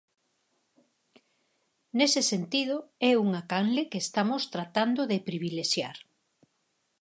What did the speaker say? Nese sentido é unha canle que estamos tratando de privilexiar.